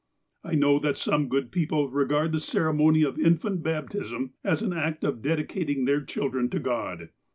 "I know that some good people regard the ceremony of in fant baptism as an act of dedicating their children to God.